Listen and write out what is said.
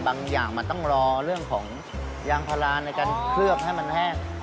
อย่างมันต้องรอเรื่องของยางพาราในการเคลือบให้มันแห้ง